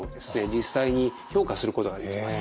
実際に評価することができます。